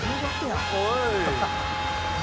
おい。